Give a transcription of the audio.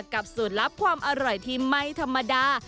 สูตรลับความอร่อยที่ไม่ธรรมดา